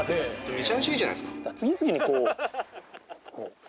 めちゃめちゃいいじゃないですか。